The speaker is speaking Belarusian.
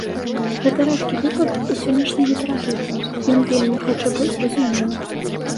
Гэта рэдкі выпадак у сённяшняй літаратуры, ён вельмі хоча быць зразумелым.